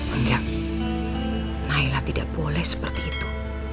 enggak naila tidak boleh seperti itu